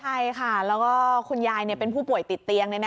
ใช่ค่ะแล้วก็คุณยายเป็นผู้ป่วยติดเตียง